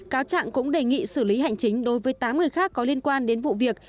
cáo trạng cũng đề nghị xử lý hành chính đối với tám người khác có liên quan đến vụ việc